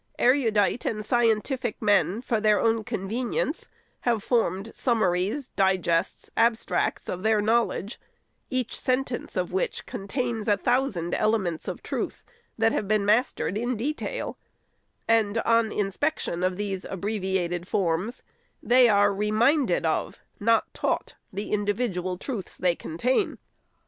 Erudite and scientific men, for their own convenience, have formed summaries, digests, abstracts, of their knowledge, each sentence of which contains a thousand elements of truth, that had been mastered in detail ; and, on inspection of these ab breviated forms, they are reminded of, not taught, the individual truths they contain.